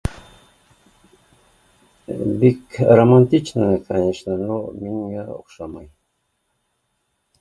Бик романтично конечно но миңә оҡшамай